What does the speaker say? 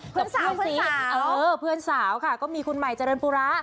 เพื่อนสาวเนี่ยเออเพื่อนสาวค่ะก็มีคุณหมายเจริญพุระ